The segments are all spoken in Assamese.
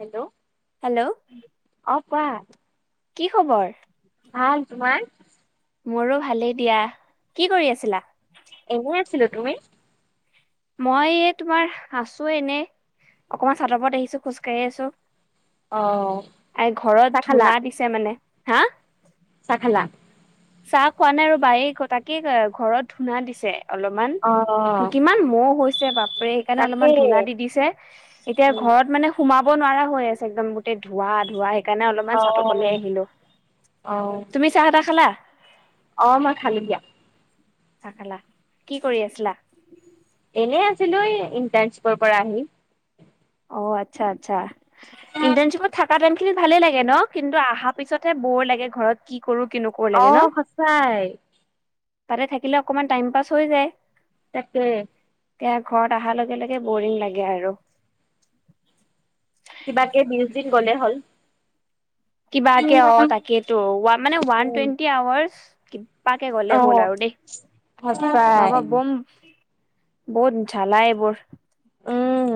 হেল্ল', হেল্ল' অ কোৱা। কি খবৰ? ভাল, তোমাৰ? মোৰো ভালেই দিয়া, কি কৰি আছিলা? এনেই আছিলো, তুমি? মই তোমাৰ আছো এনে অকনমান চাদৰ উপৰত আহিছো খোজ কঢ়ি আছো। অ আ, ঘৰত চাহ খালা ধূনা দিছে মানে, হা? চাহ খালা? চাহ খোৱা নাই ৰবা, এ তাকে ঘৰত ধূনা দিছে অলপমান অ কিমান মহ হৈছে বাপৰে। সেইকাৰণে তাকে অলপমান ধূনা দি দিছে। এতিয়া উম ঘৰত মানে সোমাব ব নোৱাৰা হৈ আছে একদম। গোটে ধোৱা, ধোৱা। সেইকাৰণে অ অলপমান চাটৰ ওপৰলে আহিলো। অ তুমি চাহ-তাহ খালা? অ, মই খালো দিয়া। চাহ খালা? কি কৰি আছিলা? [unintelligible] আছিলো ইণ্টাৰণশ্বিপৰ পৰা আহি। অ, আচ্ছা, আচ্ছা। ইণ্টাৰ্নচিপত থাকা টাইম খিনি ভালে লাগে ন? কিন্তু আহা পিছতহে বৰ লাগে। ঘৰত কি কৰো কি নকৰোঁ অ লাগে ন? সঁচাই তাতে থাকিলে অকমান টাইম পাছ হৈ যায়। তাকেই। এতিয়া ঘৰত আহাৰ লগে লগে বৰিং লাগে আৰু। কিবাকে বিশ দিন গ'লে হ'ল কিবাকে অ উম তাকেইটো। মানে ওৱান টুৱেণ্টি আৱাৰ্চ কিবাকে অ গলে হ'ল আৰু দেই। সঁচাই নবা বম বহুত ঝালা এইবোৰ। উম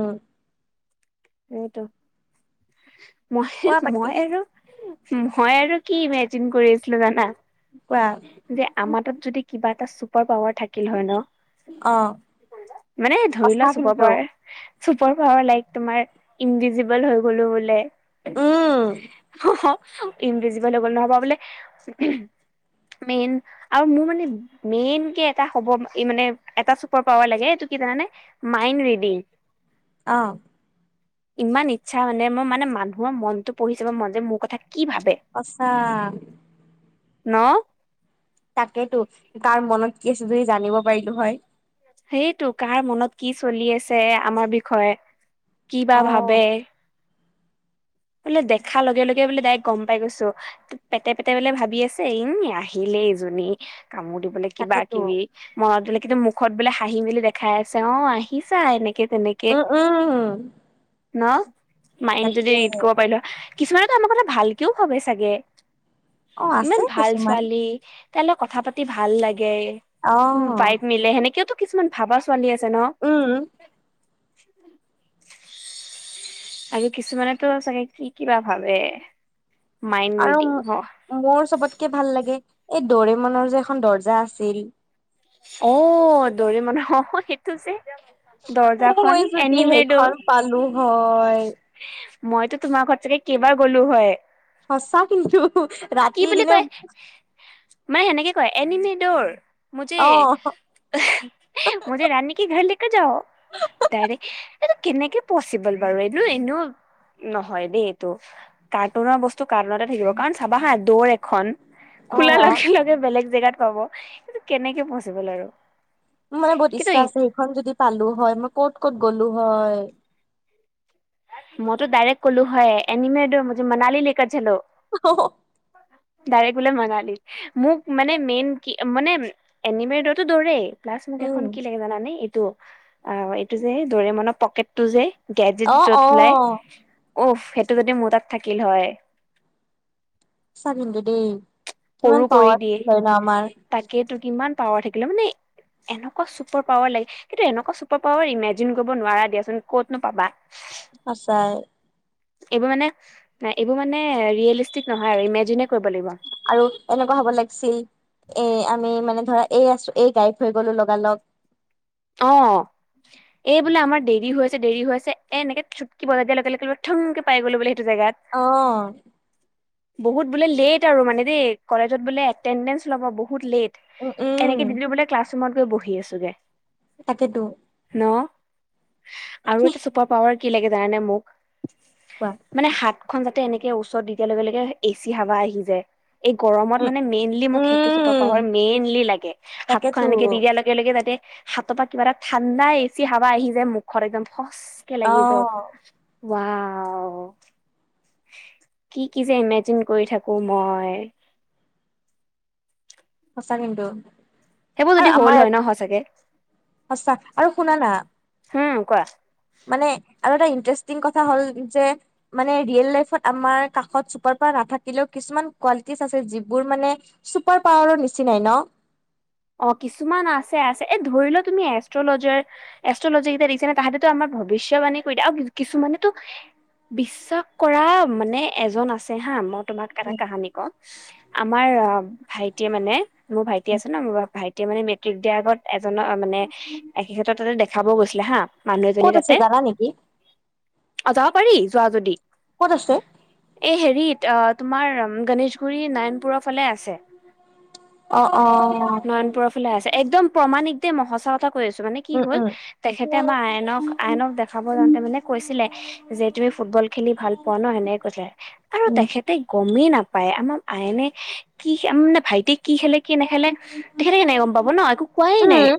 সেয়েটো, মই কোৱা বাকী মই আৰু মই আৰু কি ইমেজিন কৰি আছিলো জানা? কোৱা যে আমাৰ তাত যদি কিবা এটা ছুপাৰ পাৱাৰ থাকিল হয় ন? অ মানে ধৰি সঁচা লোৱা ছুপাৰ কিন্তু পাৱাৰ চুপাৰ পাৱাৰ লাইক তোমাৰ ইনভিজিবল হৈ গ'লো বোলে। উম হ-হ ইনভিজিবল হৈ গ'ল। নহবা বোলে মেইন আৰু মোৰ মানে মেইনকে এটা হ'ব মানে এটা চুপাৰ পাৱাৰ লাগে। এইটো কি জানানে, মাইণ্ড ৰিডিং। অ। ইমান ইচ্ছা মানে। মই মানে মানুহৰ মনটো পঢ়ি চাব মন যায়। মোৰ কথা কি ভাবে সঁচা। ন? তাকেইতো কাৰ মনত কি চলি আছে জানিব পাৰিলো হয়। সেইটো, কাৰ মনত কি চলি আছে আমাৰ বিষয়ে? কি বা অ' ভাবে? বোলে দেখা লগে লগে বোলে ডাইৰেক গম পাই গৈছো। পেটে পেটে বোলে ভাবি আছে ই আহিলে এইজনী কামোৰ দিবলে তাকেতো কিবা-কিবি মনত বোলে কিন্তু মুখত বোলে হাঁহি মেলি দেখাই আছে। অ আহিছা এনেক উ, উ। ন? মাইণ্ডটো যদি ৰিড কৰিব পাৰিলো হয়, কিছুমানটো আমাৰ কথা ভালকেও ভাবে চাগে? অ' আছে ইমান ভাল কিছুমান ছোৱালী তাই লগত কথা পাতি ভাল লাগে। উ অ' ভাইব মিলে। সেনেকেওটো কিছুমান ভাবা ছোৱালী আছে। আছে ন? উম আৰু কিছুমানেটো চাগে কি কি বা ভাবে? মাইণ্ড আৰু ৰিডিং হ মোৰ চবতকে ভাল লাগে এ ডৰেমনৰ যে এখন দৰ্জা আছিল। অ, ডৰেমনৰ অ সেইটো যে। মই দৰ্জাখন যদি এনিমে সেইখন দৰ। পালো হয়। মইতো তোমাৰ ঘৰত চাগে কেইবাৰ গ'লো হয়। সঁচা কিন্তু। কি ৰাতি বুলি দিনে কয়? মায়ে সেনেকে কয় এনিমে ডৰ মুজে অ' মুজে ৰানী কি ঘৰ লেকৰ যাও। দাইৰেক এইটো কেনেকে পচিবল বাৰু? এইটো এনেও নহয় দেই এটো কাৰ্টুনৰ বস্তু কাৰ্টুনতে থাকিব কাৰণ চাবা হা দৌৰ এখন অ' খোলা মোৰ লগে লগে বেলেগ জেগাত পাব এটো কেনেকে পচিবল আৰু। মোৰ মানে বহুত কিন্তু ইচ্ছা আছে সেইখন যদি পালো হয় মই ক'ত ক'ত গ'লো হয়। মইতো ডাইৰেক্ট ক'লো হয় এনিমি দো মুজে মনালী লেকৰ চালৌ। হ হ ডাইৰেক্ট বোলে মনালী মোক মানে মেইন কি মানে এনিমি দৌৰতো দৌৰে প্লাচ মোক এখন উম কি লাগে জানানে এইটো অ এইটো যে দৰে মান পকেটটো যে গেজেট অ' য'ত ওলাই অ' উফ সেইটো যদি মোৰ তাত থাকিল হয়। চা কিন্তু দেই কিমান সৰু কৰি পাৱাৰ দিয়ে থাকিলে হয় না আমাৰ। তাকেইতো কিমান পাৱাৰ থাকিলে মানে এনেকুৱা চুপাৰ পাৱাৰ লাগে কিন্তু এনেকুৱা চুপাৰ পাৱাৰ ইমেজিন কৰিব নোৱাৰা দিয়াচোন ক'তনো পাবা। আচাই এইবোৰ মানে এইবোৰ মানে ৰিয়েলিষ্টিক নহয় আৰু ইমেজিনে কৰিব লাগিব। আৰু এনেকুৱা হ'ব লাগিছিল এ আমি মানে ধৰা এই আছো এই গাইফ হৈ গলো লগা লগ অ। এই বোলে আমাৰ দেৰি হৈ আছে দেৰি হৈ আছে এনেকে চুটকি বজ দিয়া লগে লগে কিবা থংকে পাই গলো বোলে। সেইটো জেগাত অহ বহুত বোলে লেট আৰু মানে দেই কলেজত বোলে এটেনডেঞ্চ ল'ব বহুত বহুত লেট উম উম এনেকে দিল্লো বোলে ক্লাছ ৰুমত গৈ বহি আছোগে। তাকেইতো ন আৰু এটা চুপাৰ পাৱাৰ কি লাগে জানানে মোক কোৱা মানে হাত খন যাতে এনেকে ওচৰত দিয়া লগে লগে এচি হাৱা আহি যায়। এই গৰমত উম মানে মেইনলি মোক সেইটো চুপাৰ উম পাহাৰ মেইনলি লাগে তাকেতো হাতখন এনেকে দি দিয়াৰ লগে লগে যাতে হাতৰ পৰা কিবা এটা ঠাণ্ডাই এছি হাৱা আহি যায় মুখৰ একদম খচকে অ লাগি যাওঁক। ৱাও। কি কি যে ইমেজিন কৰি থাকো মই। সঁচা কিন্তু। সেইবোৰ যদি আৰু হ'ল আমাৰ হয় ন সঁচাকে আৰু শুনা না হু কোৱা? মানে আৰু এটা ইণ্টাৰেষ্টিং কথা হ'ল যে মানে ৰিয়েল লাইফত আমাৰ কাষত চোপাৰ পাৱাৰ নাথাকিলেও কিছুমান কোৱালিটিছ যিবোৰ মানে ছুপাৰ পাৱাৰৰ নিচিনাই ন। [inaudible] অ কিছুমান আছে আছে এ ধৰি ল তুমি এষ্ট্ৰলজাৰ এষ্ট্ৰলজাৰ কেইটা দেখিছ না তাহাঁতেতো আমাৰ ভৱিষ্যত বাণী কৰি দিয়ে আ কিছুমানে তো বিশ্বাস কৰা মানে এজন আছে হা মত তোমাক এটা কাহানি ক আমাৰ ভাইটিয়ে মানে মোৰ ভাইটি আছে ন মোৰ ভাইটিয়ে মানে মেট্ৰিক দিয়াৰ আগত এজনৰ মানে এখে ক্ষেত্ৰত তাতে দেখাবও গৈছিলে হা। মানুহ এজনী ক'ত আছে তাতে জানা নেকি? অ যাব পাৰি যোৱা যদি। ক'ত আছে? এ হেৰিত তোমাৰ গণেশ পুখুৰী নাৰায়নপুৰৰ ফালে আছে। অ অ নয়নপুৰৰ ফালে আছে একদম প্ৰমাণিক দেই মই সঁচা কথা। কৈ আছো মানে কি উম হল উম তেখেতে আমাৰ আইনক উম আইনক দেখাব যাওঁতে মানে কৈছিলে যে তুমি ফুটবল খেলি ভাল পোৱা ন। সেনেক কৈছিলে আৰু তেখেতে গমেই নাপায়। পায়। আমাৰ আইনে কি আমে ভাইটিয়ে কি খেলে কি নেখেলে। তেখেতে কেনেকে গম পাব ন। একো কোৱাই নাই উম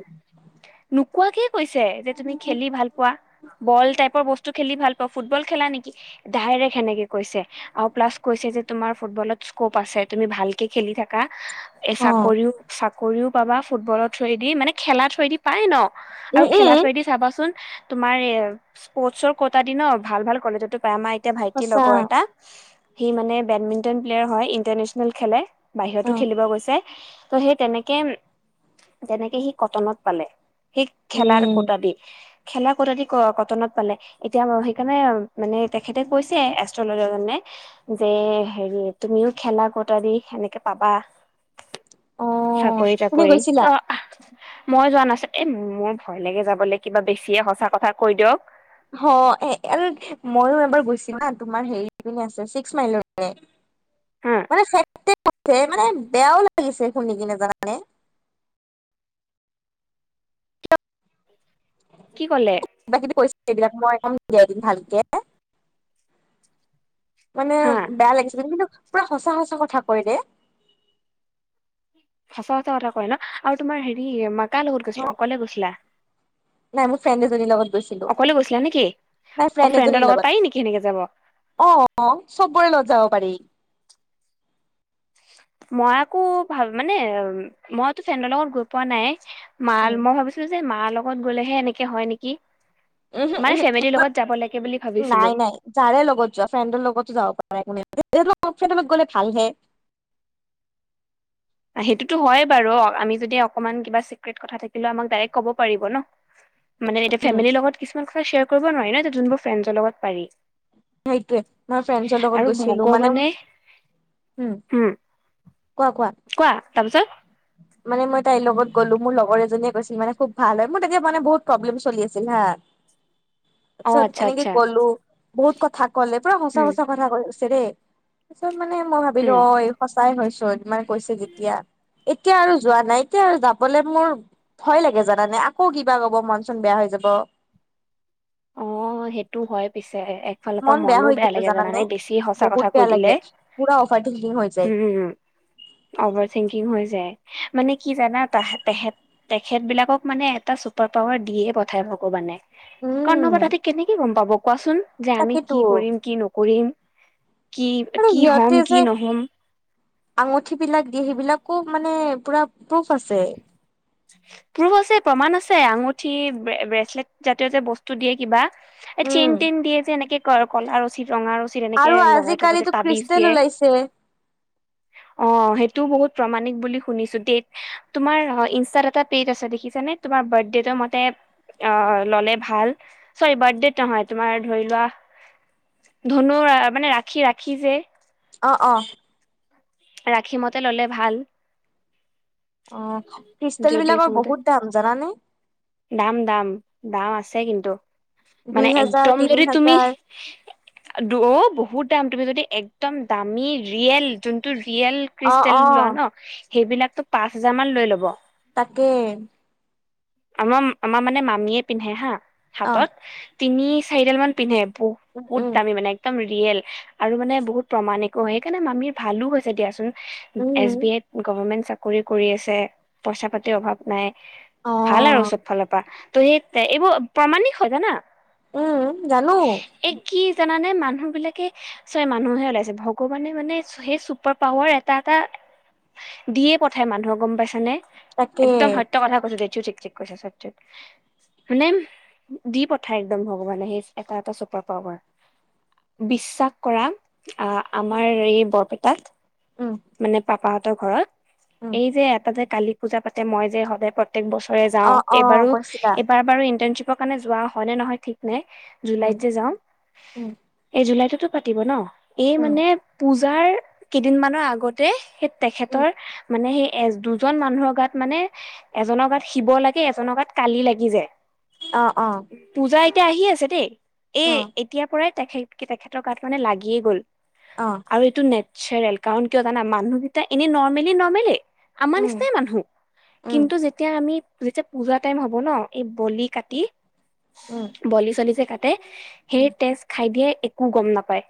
নোকোৱাকে কৈছে যে তুমি খেলি ভাল পোৱা, বল টাইপৰ বস্তু খেলি ভাল ফুটবল খেলা নেকি? ডাইৰেক সেনেকে কৈছে আৰু প্লাছ কৈছে যে তোমাৰ ফুটবলত স্কপ আছে। তুমি ভালকে খেলি থাকা। এ অ চাকৰিও চাকৰিও পাবা ফুটবলৰ থুৰেদি মানে খেলা থুৰেদি পায় ন। আৰু উম খেলাৰ উম থুৰেদি চাবাচোন তোমাৰ এ স্পৰ্টচৰ কটা দি ন ভাল ভাল কলেজতো পায়। আমাৰ এতিয়া ভাইটিৰ সঁচা লগৰ এটা, সি মানে বেডমিন্টন প্লেয়াৰ হয়, ইন্টাৰনেচনেল খেলে। অ বাহিৰতো খেলিব গৈছে। ত' সেই তেনেকে তেনেকে সি কটনত পালে। সেই খেলাৰ উম কটা দি। খেলা কটাদি ক কটনত পালে। এতিয়া সেইকাৰণে মানে তেখেতে কৈছে এষ্ট্ৰলজাৰজনে। যে হেৰি তুমিও খেলা কটা দি সেনেকে পাবা। অ তুমি চাকৰি-তাকৰি, গৈছিলা অ মই যোৱা নাছি, এ মোৰ ভয় লাগে যাবলে। কিবা বেছিয়ে সঁচা কথা কৈ দিয়ক। হ, এ আৰু মইও এবাৰ গৈছো হা, তোমাৰ হেৰি আছে ছিক্স মাইলৰ পিনে। হা মানে [unintelligible] মানে বেয়াও লাগিছে শুনি কিনে জানানে। [unintelligible] কি ক'লে? কিবা কিবি কৰিছিল এইবিলাক [unintelligible] ভালকে। মানে হা বেয়া লাগিছিল। কিন্তু পুৰা সঁচা সঁচা কথা কয় দে। সঁচা সঁচা কথা কয় ন? আৰু তোমাৰ হেৰি মা কাৰ লগত গৈছিলা? অকলে গৈছিলা? নাই মোৰ ফ্ৰেণ্ড এজনীৰ লগত গৈছিলো। অকলে গৈছিলা নেকি নাই অ ফ্ৰেণ্ড ফ্ৰেণ্ডৰ এজনীৰ লগত পাৰি নেকি সেনেকে যাব লগত। অ-অ চবৰে লগত যাব পাৰি। মই আকৌ ভা মানে মইটো ফ্ৰেণ্ডৰ লগত গৈ পোৱা নাই। [unintelligible] উ মই ভাবিছো যে মাৰ লগত গ'লেহে এনেকে হয় নেকি? উহু মানে উহু ফেমিলিৰ লগত যাব লাগে বুলি ভাবিছিলো নাই, নাই। যাৰে লগত যোৱা, ফ্ৰেণ্ডৰ লগতো যাব পাৰা, একো নাই। [unintelligible] ভালহে। এ সেইটোতো হয়ে বাৰু। অ'- আমি যদি অকণমান কিবা ছিক্ৰেট কথা থাকিলেও আমাক ডাইৰেক্ট ক'ব পাৰিব ন'। মানে এতিয়া উম ফেমিলিৰ লগত কিছুমান কথা শ্বেয়ৰ কৰিব নোৱাৰি ন', তো যোনবোৰ ফ্ৰেণ্ডছৰ লগত পাৰি। সেইটোৱে, মই ফ্ৰেণ্ডছৰ লগত আৰু গৈছিলোঁ। মানে মো- ভগৱানে উম। কোৱা, কোৱা। তাৰপিছত? মানে মই তাইৰ লগত গ'লো। মোৰ লগৰ এজনীয়ে গৈ, মানে খুব ভাল হয়। মোৰ তেতিয়া মানে বহুত প্ৰব্লেম চলি আছিল হা। [inaudible] অ তাপিছত আচ্ছা এনেকে আচ্ছা গ'লো। বহুত কথা কলে, পুৰা উম সঁচা-সঁচা কথা কয়। [unintelligible] দেই। তাৰপিছত মানে মই ভাবিলো হম অ এই সঁচাই হয়চোন মানে কৈছে যেতিয়া। এতিয়া আৰু যোৱা নাই। এতিয়া আৰু যাবলৈ মোৰ ভয় লাগে জানা নে। আকৌ কিবা কব মন চোন বেয়া হৈ যাব। অ, সেইটো হয় পিছ [unintelligible] একফালৰ পৰা মন মনো হৈ বেয়া কিন্তু লাগে জানানে, বেছি সঁচা বহুত কথা কৈ বেয়া দিলে। লাগে পুৰা অভাৰ থিংকিং হৈ যায় হুম। উম অভাৰ থিংকিং হৈ যায়। মানে কি জানা? তাহাঁত তেখেত তেখেত বিলাকক মানে এটা ছুপাৰ পাৱাৰ দিয়ে পঠাই ভগবানে। কাৰণ উম নহবা তাহাঁতে কেনেকে গম পাব কোৱাচোন যে আমি তাকেতো কি কৰিম কি নকৰিম। কি আৰু কি হ'ম সিহঁতে কি যে নহ'ম আঙুঠি বিলাক দিয়ে। সেইবিলাকো মানে পুৰা প্ৰুফ আছে। প্ৰুফ আছে, প্ৰমাণ আছে। আঙুঠি, ব্ৰেচলেট জাতীয় যে বস্তু দিয়ে কিবা। এ উম চেইন টেইন দিয়ে যে, এনেকে ক কলা ৰছী। ৰঙা ৰচী তেনেকে আৰু লগাই থব যে আজিকালিতো তাবিজ ক্ৰিষ্টেল দিয়ে। ওলাইছে অ, সেই ত বহুত প্ৰমাণিক বুলি শুনিছো দেই। তোমাৰ ইনছ তাত এটা পেজ আছে দেখিছানে? তোমাৰ বাৰ্থডেটো মাতে অ ললে ভাল। চৰি বাৰ্থডেত নহয় তোমাৰ ধৰি লোৱা ধনু মানে ৰাখি ৰাখি যে। অ, অ। ৰাশি মতে ল'লে ভাল। অ' যদি ক্ৰিষ্টেলবিলাকৰ মতে বহুত দাম, জানানে? দাম - দাম, দাম আছে কিন্তু। দুই মানে হাজাৰ একদম তিনি যদি হাজাৰ তুমি- অ' বহুত দাম। তুমি যদি একদম দামী, ৰিয়েল যোনটো ৰিয়েল অ ক্ৰিষ্টেল অ লোৱা ন', সেইবিলাকতো পাঁচ হেজাৰ মান লৈ ল'ব। তাকে। আমাৰ- আমাৰ মানে মামীয়ে পিন্ধে হা, অ হাতত। তিনি-চাৰিডাল মান পিন্ধে। বু- উম উম বহুত দামী মানে, একদম ৰিয়েল। আৰু মানে বহুত প্ৰমাণিকো হয়। সেইকাৰণে মামীৰ ভালো হৈছে দিয়াচোন। এছ উম বি আইত গভৰ্মেন্ট চাকৰি কৰি আছে। পইচা-পাতিৰ অভাৱ নাই। অ ভাল আৰু চব ফালৰ পৰা। তো সেই তে- এইবোৰ প্ৰমাণিক হয় জানা। উম, জানো। মানে মানুহবিলাকে- ছৰি, মানুহে ওলাইছে, ভগৱানে মানে সেই চুপাৰ পাৱাৰ এটা - এটা দিয়ে পঠায় মানুহক, গম পাইছে নে? তাকে একদম সত্য কথা কৈছোঁ দে [unintelligible] চেক - চেক কৰিছে চব চেক মানে দি পঠায় একদম ভগৱানে সেই এটা - এটা চুপাৰ পাৱাৰ। বিশ্বাস কৰা অ' আমাৰ এই বৰপেটাত, উম মানে পাপাহঁতৰ ঘৰত উম এই যে এটা যে কালী পূজা পাতে, মই যে সদায় প্ৰ ত্যেক বছৰে অ যাওঁ। অ এইবাৰো- কৈছিলা এইবাৰ বাৰু ইন্টাৰ্নশ্বিপৰ কাৰণে যোৱা হয় নে নহয় ঠিক নাই। উম জুলাইত যে যাওঁ, উম এই জুলাইততো পাতিব ন'? এই উম মানে পূজাৰ কেইদিনমানৰ আগতে সেই উম তেখেতৰ মানে সে এজ- দুজন মানুহৰ গাত মানে, এজনৰ গাত শিৱ লাগে, এজনৰ গাত কালী লাগি যায়। অ অ পূজা এতিয়া আহি আছে দেই এ অ এতিয়াৰ পৰাই। তেখেত তেখেতৰ গাত মানে লাগিয়ে গ'ল অ আৰু এইটো নে চেৰেল কাৰণ কিয় জানা মানুহকেইটা এনেই নৰ্মেলি নৰ্মলে আমাৰ উম নিচিনাই মানুহ। উম কিন্তু যেতিয়া আমি- যেতিয়া পূজা টাইম হ'ব ন', এই বলি কাটি, উম বলি-চলি যে কাটে, সেই উম তেজ খাই দিয়ে একো গম নাপায়।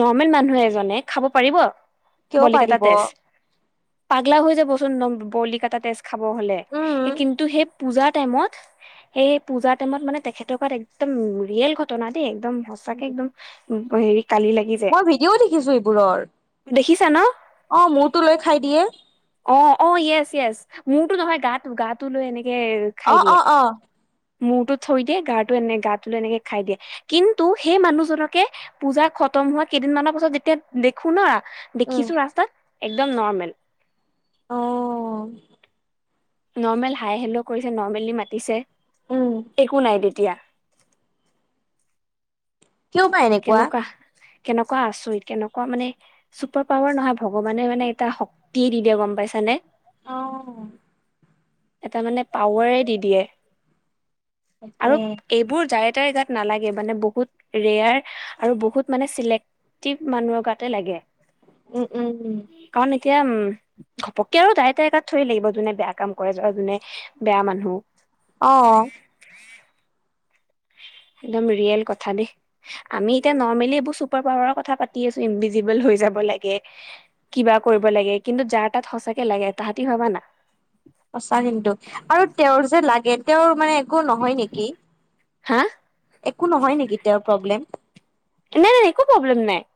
নৰ্মেল মানুহ এজনে খাব পাৰিব? কিয় বলি কটা পাৰিব তেজ? পাগলা হৈ যাবচোন ন- বলি কাটা তেজ খাব হলে। উম সেই কিন্তু সেই পূজাৰ টাইমত, সেই পূজাৰ টাইমত মানে তেখেতক একদম ৰিয়েল ঘটনা দেই। একদম সঁচাকে একদম উম- হেৰি কালি লাগি যায় মই ভিডিঅ' দেখিছোঁ এইবোৰৰ। দেখিছা ন'? অ' মূৰটো লৈ খাই দিয়ে। অ' - অ', য়েচ - য়েচ। মূৰটো নহয়, গাটো- গাটো লৈ এনেকে অ খাই দিয়ে। অ অ মূৰটো থৈ দিয়ে, গাৰটো এনে- গাটো লৈ এনেকে খাই দিয়ে। কিন্তু সেই মানুহজনকে পূজা খ তম হোৱা কেইদিনমানৰ পাছত যেতিয়া দেখো না, উম দেখিছোঁ ৰাস্তাত, একদম নৰ্মেল। অ'। নৰ্মেল হাই-হেল্ল' কৰিছে, নৰ্মেলি মাতিছে, উম একো নাই দে তিয়া। কিয়বা‌ এনেকুৱা? কেনেকুৱা আচৰিত? কেনেকুৱা মানে চুপাৰ পাৱাৰ নহয়, ভগৱানে মানে এটা শক্তিয়ে দি দিয়ে, গম পাইছানে? অ'। এটা মানে পাৱাৰে দি দিয়ে। আৰু তাকে এইবোৰ যাৰে-তাৰে গাত নালাগে। মানে বহুত ৰেয়াৰ আৰু বহুত মানে ছিলেক্টিভ মানুহৰ গাতে লাগে। উম উম কাৰণ‌ এতিয়া উম ঘপক্কে আৰু, যাৰে-তাৰে গাত থৰি লাগিব? যোনে বেয়া কাম কৰে, য- যোনে বেয়া মানুহ, অহ। একদম ৰিয়েল কথা দেই। আমি এতিয়া নৰ্মেলি এইবোৰ চুপাৰ পাৱাৰৰ কথা পাতি আছো, ইনভিজিবল হৈ- লাগে, কিবা কৰিব লাগে, কিন্তু যাৰ তাত সঁচাকে লাগে তাহাঁতি ভবা না। সঁচা কিন্তু আৰু তেওঁৰ যে লাগে তেওঁৰ মানে একো নহয় নেকি? হা। একো নহয় নেকি তেওঁৰ প্ৰব্লেম? নাই নাই একো প্ৰব্লেম নাই।